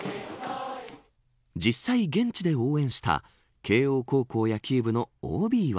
実際、現地で応援した慶応高校野球部のＯＢは。